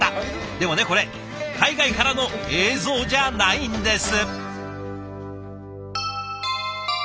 でもねこれ海外からの映像じゃないんです。